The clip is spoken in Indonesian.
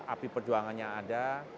api perjuangannya ada